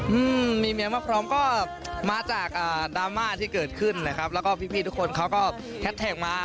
อืมมีเมียมาพร้อมก็มาจากอ่าดราม่าที่เกิดขึ้นนะครับแล้วก็พี่พี่ทุกคนเขาก็แฮดแท็กมา